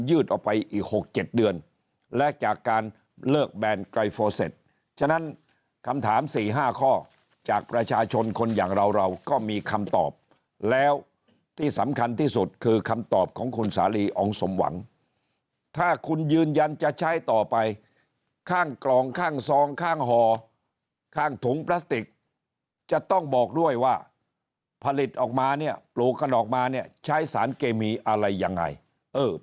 ออกไปอีก๖๗เดือนและจากการเลิกแบนไกรโฟเซ็ตฉะนั้นคำถาม๔๕ข้อจากประชาชนคนอย่างเราเราก็มีคำตอบแล้วที่สำคัญที่สุดคือคำตอบของคุณสาลีองค์สมหวังถ้าคุณยืนยันจะใช้ต่อไปข้างกล่องข้างซองข้างห่อข้างถุงพลาสติกจะต้องบอกด้วยว่าผลิตออกมาเนี่ยปลูกกันออกมาเนี่ยใช้สารเคมีอะไรยังไงเออ